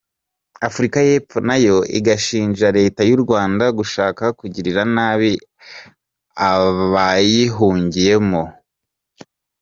Afurika y’Epfo nayo igashinja Leta y’u Rwanda gushaka kugirira nabi aba bayihungiyemo.